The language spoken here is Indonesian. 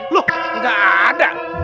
loh gak ada